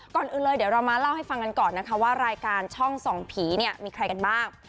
ก่อนอื่นเลยเดี๋ยวเรามาเล่าให้ฟังกันก่อนนะคะว่ารายการช่องส่องผีเนี่ยมีใครกันบ้าง